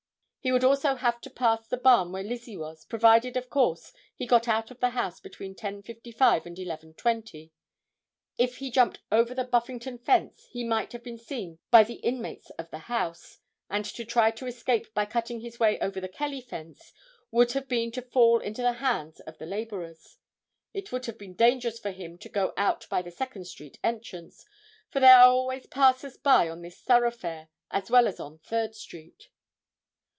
He would also have to pass the barn where Lizzie was, provided, of course, he got out of the house between 10:55 and 11:20. If he jumped over the Buffington fence, he might have been seen by the inmates of the house, and to try to escape by cutting his way over the Kelly fence would have been to fall into the hands of the laborers. It would have been dangerous for him to go out by the Second street entrance, for there are always passers by on this thoroughfare, as well as on Third street.